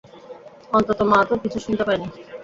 অন্তত মা তো কিছু শুনতে পায়নি!